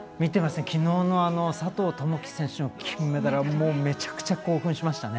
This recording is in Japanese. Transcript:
きのうの佐藤友祈選手の金メダル、めちゃくちゃ興奮しましたね。